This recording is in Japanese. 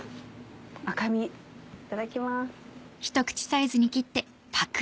赤身いただきます。